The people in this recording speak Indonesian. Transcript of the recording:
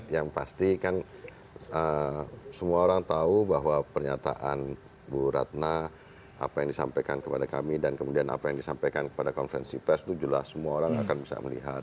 yang pasti kan semua orang tahu bahwa pernyataan bu ratna apa yang disampaikan kepada kami dan kemudian apa yang disampaikan kepada konferensi pers itu jelas semua orang akan bisa melihat